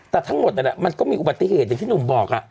แต่ทั้งหมดนั่นแหละมันก็มีอุบัติเหตุอย่างที่หนุ่มบอก